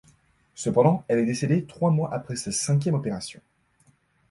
Cependant elle est décédée trois mois après sa cinquième opération.